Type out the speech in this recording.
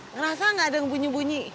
ngerasa gak ada yang bunyi bunyi